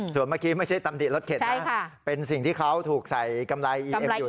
ส่วนเมื่อกี้ไม่ใช่ตำดิรถเข็นนะเป็นสิ่งที่เขาถูกใส่กำไรอีเอ็มอยู่